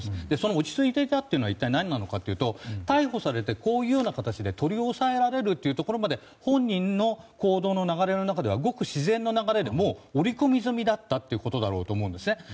落ち着いていたというのは一体何なのかというと逮捕されてこういう形で取り押さえられるところまで本人の行動の中ではごく自然な流れで織り込み済みだったということだと思うんですね。